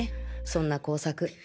そんな工作。